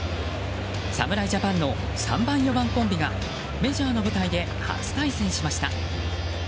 侍ジャパンの３番４番コンビがメジャーの舞台で初対戦しました。